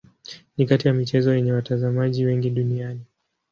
Ni kati ya michezo yenye watazamaji wengi duniani.